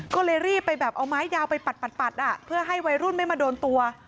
ก็เลยรีบไปแบบเอาไม้ยาวไปปัดเพื่อให้วัยรุ่นไม่มาโดนตัว